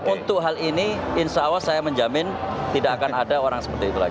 untuk hal ini insya allah saya menjamin tidak akan ada orang seperti itu lagi